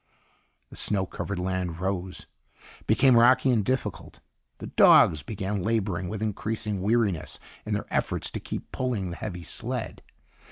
The snow covered land rose, became rocky and difficult. The dogs began laboring with increasing weariness in their efforts to keep pulling the heavy sled.